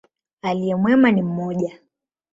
Aliye mwema ni mmoja.